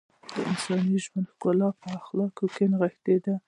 د انساني ژوند ښکلا په اخلاقو کې نغښتې ده .